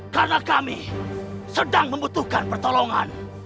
karena kami sedang membutuhkan pertolongan